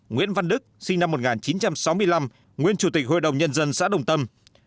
nguyễn văn đức sinh năm một nghìn chín trăm sáu mươi năm nguyên chủ tịch hội đồng nhân dân xã đồng tâm